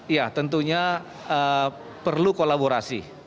ya tentunya perlu kolaborasi